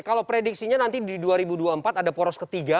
kalau prediksinya nanti di dua ribu dua puluh empat ada poros ketiga